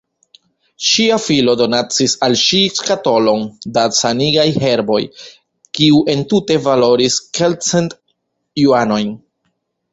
Ŝia filo donacis al ŝi skatolon da sanigaj herboj, kiu entute valoris kelkcent juanojn.